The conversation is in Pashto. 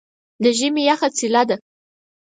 د ژمي یخه څیله ده.